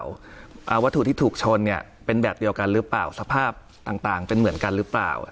วัตถุที่ถูกชนเนี่ยเป็นแบบเดียวกันหรือเปล่าสภาพต่างเป็นเหมือนกันหรือเปล่า